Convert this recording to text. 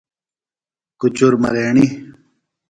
کُچُر مریݨیۡ۔